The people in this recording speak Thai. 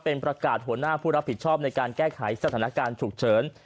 เป็นประกาศหัวหน้าผู้รับผิดชอบในการแก้ไขสถานการณ์ฉุกเฉิน